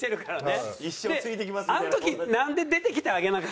あの時なんで出てきてあげなかったの？